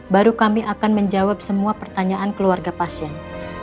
baru kami akan menjawab semua pertanyaan keluarga pasien